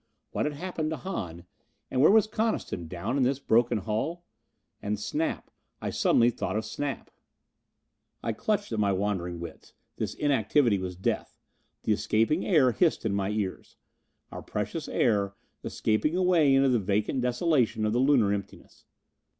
What had happened to Hahn? And where was Coniston, down in this broken hull? And Snap. I thought suddenly of Snap. I clutched at my wandering wits. This inactivity was death. The escaping air hissed in my ears. Our precious air, escaping away into the vacant desolation of the Lunar emptiness.